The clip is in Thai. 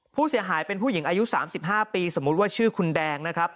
ผู้เสียหายเป็นผู้หญิงอายุ๓๕ปีสมมุติว่าชื่อคุณแดงนะครับ